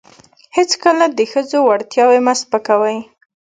هیڅکله د ښځو وړتیاوې مه سپکوئ.